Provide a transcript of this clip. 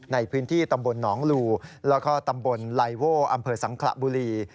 ในพื้นที่ตำบลหนองลูแล้วก็ตำบลไลโว่อำเภอสังขระบุรี